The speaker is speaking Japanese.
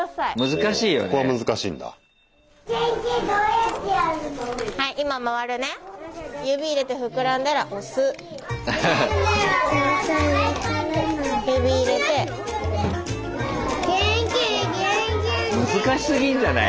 難しすぎんじゃない？